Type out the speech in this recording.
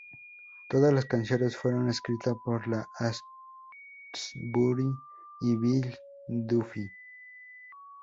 Todas las canciones fueron escritas por Ian Astbury y Billy Duffy.